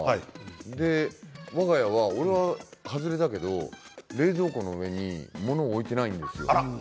俺は外れたけど、冷蔵庫の上に物も置いてないんですよ。